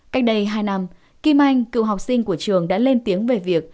cách đây hai năm kim anh cựu học sinh của trường đã lên tiếng về việc